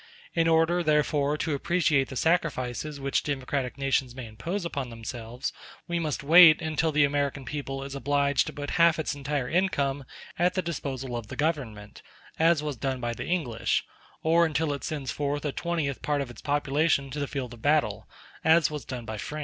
In order, therefore, to appreciate the sacrifices which democratic nations may impose upon themselves, we must wait until the American people is obliged to put half its entire income at the disposal of the Government, as was done by the English; or until it sends forth a twentieth part of its population to the field of battle, as was done by France.